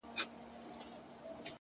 هره لاسته راوړنه د زحمت عکس دی!